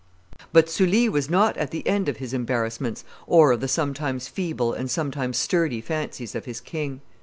But Sully was not at the end of his embarrassments or of the sometimes feeble and sometimes sturdy fancies of his king.